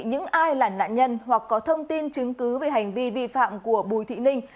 những ai là nạn nhân hoặc có thông tin chứng cứ về hành vi vi phạm của bùi thị ninh